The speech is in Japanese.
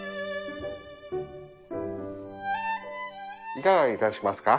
いかがいたしますか？